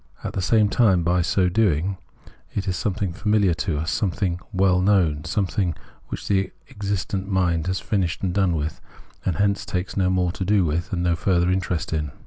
At the same time, by so doing, it is something famihar to us, something " well known," something which the existent mind has finished and done with, and hence takes no more to do with and no further interest in.